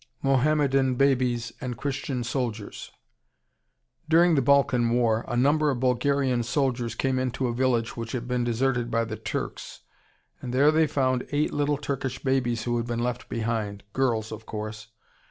MOHAMMEDAN BABIES AND CHRISTIAN SOLDIERS During the Balkan War a number of Bulgarian soldiers came into a village which had been deserted by the Turks, and there they found eight little Turkish babies who had been left behind, girls of course.